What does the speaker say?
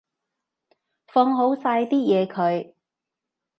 放好晒啲嘢佢